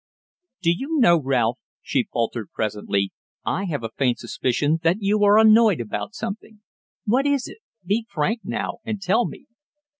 "Do you know, Ralph," she faltered presently, "I have a faint suspicion that you are annoyed about something. What is it? Be frank now and tell me."